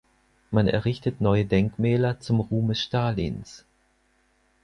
Man errichtet neue Denkmäler zum Ruhme Stalins.